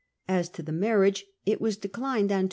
As to the marriage, it was declined on proposal.